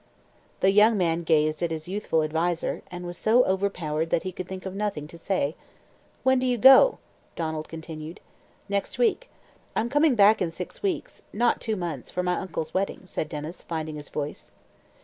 The young man gazed at his youthful adviser, and was so overpowered that he could think of nothing to say. "When do you go?" Donald continued. "Next week. I'm coming back in six weeks not two months for my uncle's wedding," said Denys, finding his voice.